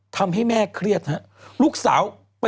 คุณหมอโดนกระช่าคุณหมอโดนกระช่า